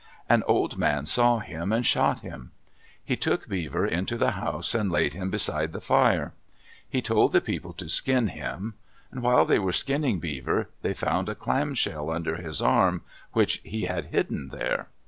An old man saw him and shot him. He took Beaver into the house and laid him beside the fire. He told the people to skin him. While they were skinning Beaver, they found a clam shell under his arm, which he had hidden there.